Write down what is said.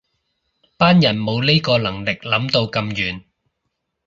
班人冇呢個能力諗到咁遠